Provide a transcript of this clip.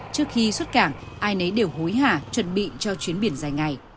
trước khi xuất cảng ai nấy đều hối hả chuẩn bị cho chuyến biển dài ngày